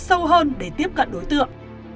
sâu hơn để tiếp cận đối tượng